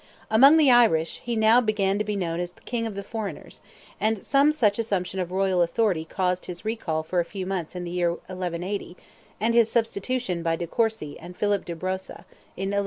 Among the Irish he now began to be known as King of the foreigners, and some such assumption of royal authority caused his recall for a few months in the year 1180, and his substitution by de Courcy and Philip de Broasa, in 1184.